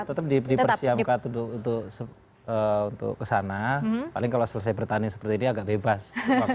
tetap tetap dipersiapkan untuk untuk kesana paling kalau selesai pertandingan seperti ini agak bebas